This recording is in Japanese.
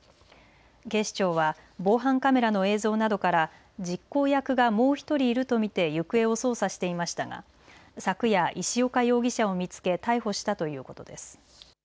警視庁は防犯カメラの映像などから実行役がもう１人いると見て行方を捜査していましたが昨夜、石岡容疑者を見つけ逮捕したということです。